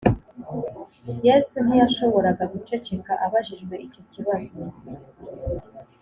yesu ntiyashoboraga guceceka abajijwe icyo kibazo